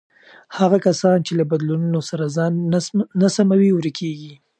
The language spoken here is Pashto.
هغه کسان چې له بدلونونو سره ځان نه سموي، ورکېږي.